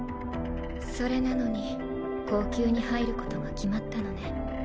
それなのに後宮に入ることが決まったのね。